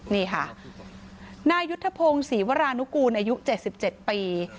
นี่ค่ะนายยุทธพงศรีวรานุกูลอายุ๗๗ปี